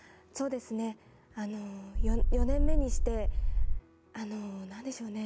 ４年目にして、何でしょうね